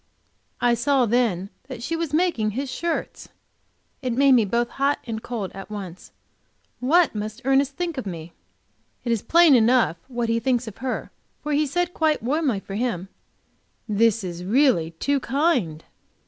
I saw then that she was making his shirts! It made me both hot and cold at once. What must Ernest think of me? It is plain enough what he thinks of her, for he said, quite warmly, for him "This is really too kind."